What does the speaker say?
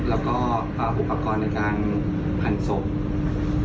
แล้วก็อุปกรณ์ในการหั่นศพ